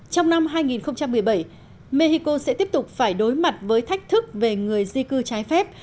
trong năm hai nghìn một mươi bảy mexico sẽ tiếp tục phải đối mặt với thách thức về người di cư trái phép